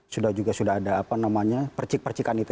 sudah juga sudah ada apa namanya percik percikan itu